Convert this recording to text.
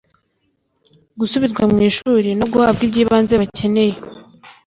gusubizwa ku ishuri no guhabwa iby’ibanze bakeneye